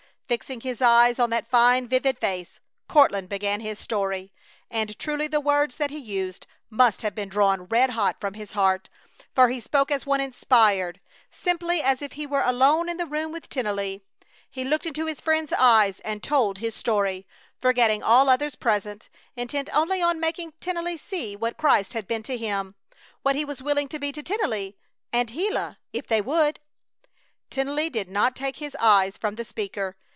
Fixing his eyes on that fine, vivid face, Courtland began his story; and truly the words that he used must have been drawn red hot from his heart, for he spoke as one inspired. Simply, as if he were alone in the room with Tennelly, he looked into his friend's eyes and told his story, forgetting all others present, intent only on making Tennelly see what Christ had been to him, what He was willing to be to Tennelly and Gila! If they would! Tennelly did not take his eyes from the speaker.